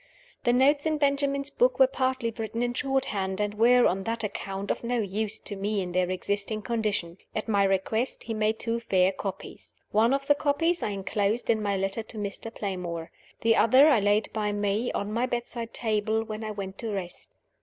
The notes in Benjamin's book were partly written in shorthand, and were, on that account, of no use to me in their existing condition. At my request, he made two fair copies. One of the copies I inclosed in my letter to Mr. Playmore. The other I laid by me, on my bedside table, when I went to rest.